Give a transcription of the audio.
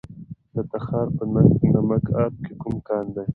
د تخار په نمک اب کې کوم کان دی؟